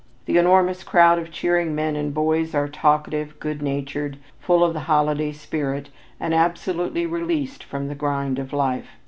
The enormous crowd of cheering men and boys are talkative, good natured, full of the holiday spirit, and absolutely released from the grind of life.